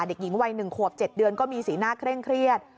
เด็กหญิงวัย๑ขวบ๗เดือนก็มีสีหน้าเคร่งเครียด